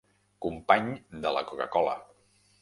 Company de la coca-cola.